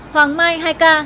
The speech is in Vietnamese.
hoàng mai hai ca